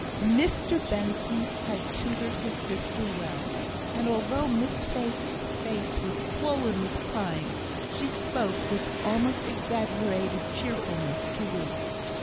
Mr Benson had tutored his sister well; and although Miss Faith's face was swollen with crying, she spoke with almost exaggerated cheerfulness to Ruth.